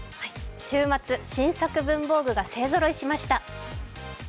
週末新作文房具が勢ぞろいしました。